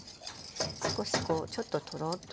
少しこうちょっとトローッと。